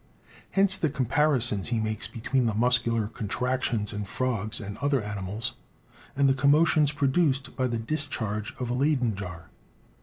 Hence the comparisons he makes between the mus cular contractions in frogs and other animals and the commotions produced by the discharge of a Leyden jar.